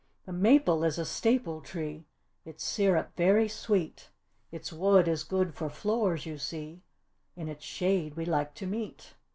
The maple is a staple tree, its syrup very sweet Its wood is good for floors you see; in its shade we like to meet.